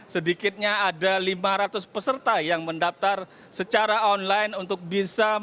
sedikitnya ada lima ratus peserta yang mendaftar secara online untuk bisa mendapatkan